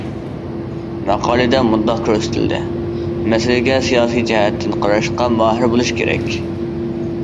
ماقالىدە مۇنداق كۆرسىتىلدى: مەسىلىگە سىياسىي جەھەتتىن قاراشقا ماھىر بولۇش كېرەك.